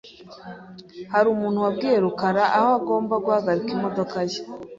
Hari umuntu wabwiye rukara aho agomba guhagarika imodoka ye?